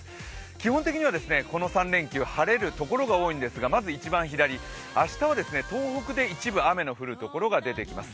基本的にはこの３連休、晴れる所が多いんですがまず一番左、明日は東北で一部雨の降るところが出てきます。